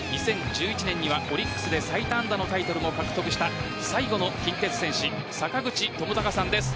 ２０１１年にはオリックスで最多安打のタイトルも獲得した最後の近鉄戦士坂口智隆さんです。